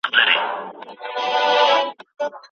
که مو د خاطب دينداري او اخلاق خوښ سوه، نو هغه مه جوابوئ